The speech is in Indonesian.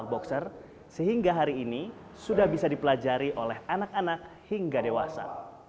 al quran adalah sebuah alat yang dikenal oleh para boxer sehingga hari ini sudah bisa dipelajari oleh anak anak hingga dewasa